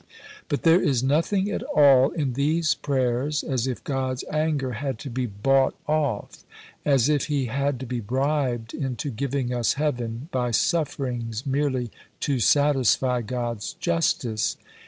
But there is nothing at all in these prayers as if God's anger had to be bought off, as if He had to be bribed into giving us heaven by sufferings merely "to satisfy God's justice."